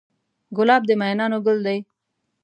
ګلاب د مینانو ګل دی.